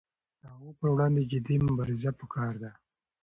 د هغو پر وړاندې جدي مبارزه پکار ده.